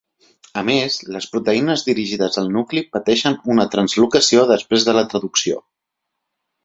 A més, les proteïnes dirigides al nucli pateixen una translocació després de la traducció.